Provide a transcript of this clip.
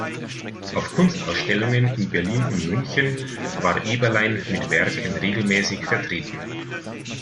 Auf Kunstausstellungen in Berlin und München war Eberlein mit Werken regelmäßig vertreten.